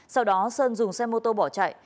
sau đó sơn dùng xe mô tô bỏ chạy